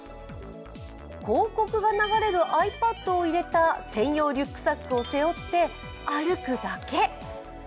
広告が流れるｉＰａｄを入れた専用リュックサックを背負って歩くだけ。